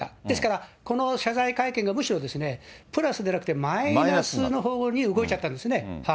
ですから、この謝罪会見がむしろ、プラスでなくてマイナスの方向に動いちゃったんですね。